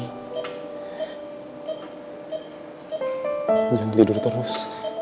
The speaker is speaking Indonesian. jangan tidur terus